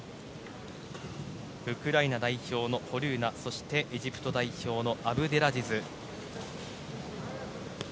ウクライナ代表のホルーナそしてエジプト代表のアブデラジズ。